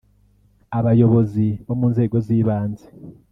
abayobozi bo mu nzego z’ibanze